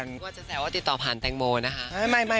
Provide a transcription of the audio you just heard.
หรือว่าจะแสว่วติดต่อผ่านแตงโมนะคะ